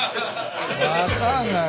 分かんない。